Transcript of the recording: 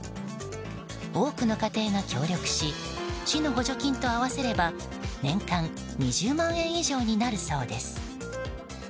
多くの家庭が協力し市の補助金と合わせれば年間２０万円以上になるそうです。